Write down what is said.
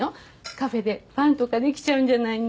カフェでファンとかできちゃうんじゃないの？